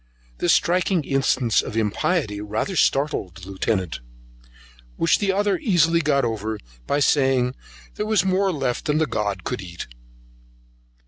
This striking instance of impiety rather startled the Lieutenant, which the other easily got over, by saying there was more left than the god could eat.